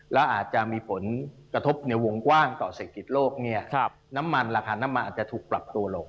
แล้วอาจจะมีผลกระทบในวงกว้างต่อเศรษฐกิจโลกเนี่ยน้ำมันราคาน้ำมันอาจจะถูกปรับตัวลง